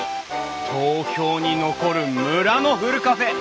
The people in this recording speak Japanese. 東京に残る村のふるカフェ。